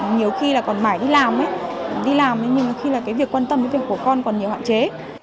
nhiều khi là còn mãi đi làm đi làm nhưng khi là cái việc quan tâm đến việc của con còn nhiều hạn chế